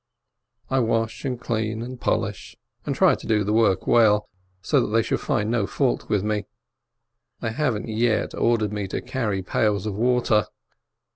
I wash and clean and polish, and try to do the work well, so that they should find no fault with me. They haven't yet ordered me to carry pails of water.